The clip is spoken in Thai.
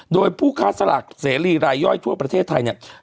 โดยผู้ค้าสลากเสรีรายย่อยทั่วประเทศไทยเนี่ย